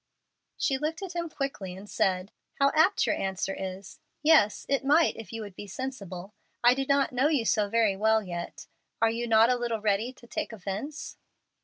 She looked at him quickly and said, "How apt your answer is! Yes, it might if you would be sensible. I do not know you so very well yet. Are you not a little ready to take offence?"